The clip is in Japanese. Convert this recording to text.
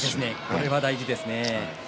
これは大事ですね。